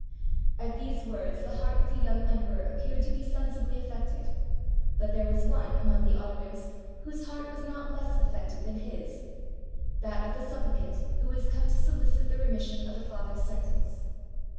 At these words the heart of the young em peror appeared to be sensibly affected : but there was one among the auditors, whose heart was not less affected than his; that of the supplicant who was come to solicit the remission of a father's sentence.